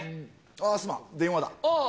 すまん、電話だ。